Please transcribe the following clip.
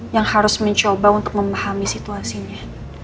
yang harus mencoba untuk memahami situasinya